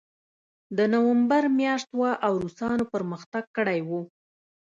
د نومبر میاشت وه او روسانو پرمختګ کړی و